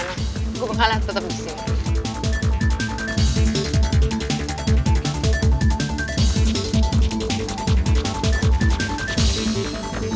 lo kenapa sih kayaknya abis gue lantem